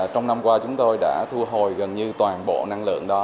trong năm qua chúng tôi đã thu hồi gần như toàn bộ năng lượng đó